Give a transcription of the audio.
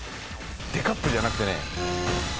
デカップじゃなくてね。